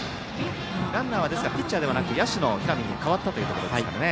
ランナーはピッチャーではなく野手の平見に変わったということですね。